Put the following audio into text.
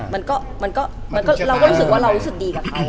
มันก็เราก็รู้สึกว่าเรารู้สึกดีกับเขา